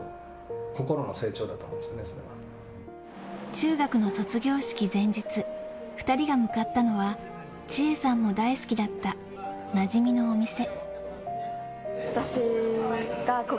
中学の卒業式前日、２人が向かったのは、千恵さんも大好きだった、なじみのお店。